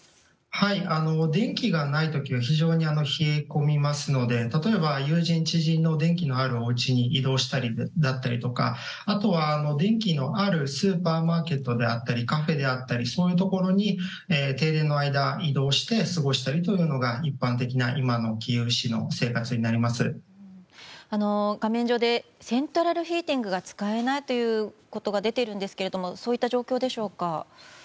電気がない時は非常に冷え込みますので例えば、友人、知人の電気のあるおうちに移動したりだったりとかあとは、電気のあるスーパーマーケットであったりカフェであったりそういうところに停電の間移動して過ごしたりというのが一般的な画面上でセントラルヒーティングが使えないということが出ているんですがそういった状況でしょうか？